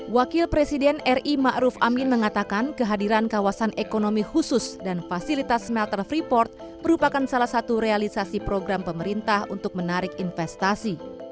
wakil presiden ri ⁇ maruf ⁇ amin mengatakan kehadiran kawasan ekonomi khusus dan fasilitas smelter freeport merupakan salah satu realisasi program pemerintah untuk menarik investasi